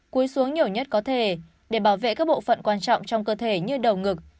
cúi xuống nhiều nhất có thể để bảo vệ các bộ phận quan trọng trong cơ thể như đầu ngực